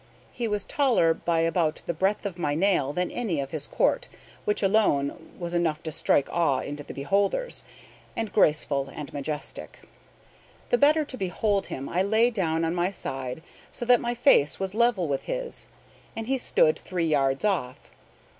He was taller by about the breadth of my nail than any of his Court, which alone was enough to strike awe into the beholders, and graceful and majestic. The better to behold him, I lay down on my side, so that my face was level with his, and he stood three yards off.